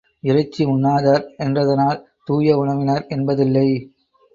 இறைச்சி உண்ணாதார் என்றதனால் தூய உணவினர் என்பதில்லை.